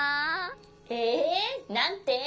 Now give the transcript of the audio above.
ええなんて？